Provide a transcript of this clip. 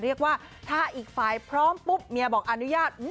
เรียกว่าถ้าอีกฝ่ายพร้อมปุ๊บเมียบอกอนุญาต